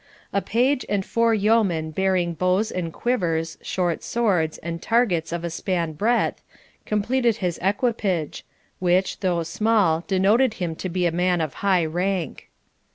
A page and four yeomen bearing bows and quivers, short swords, and targets of a span breadth, completed his equipage, which, though small, denoted him to be a man of high rank.